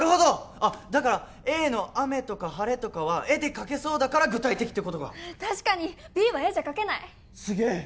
あっだからＡの「雨」とか「晴れ」とかは絵で描けそうだから具体的ってことか確かにＢは絵じゃ描けないすげえ！